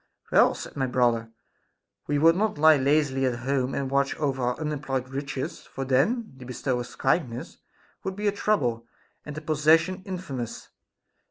Well, said my brother, we would not lie lazily at home, and watch over our unemployed riches ; for then the bestower's kindness would be a trouble, and the possession infamous.